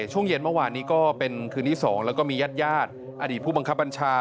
ช่วงเย็นเมื่อวานนี้ก็เป็นคืนที่๒แล้วก็มีญาติญาติอดีตผู้บังคับบัญชา